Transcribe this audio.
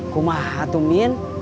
kumaha tuh mimin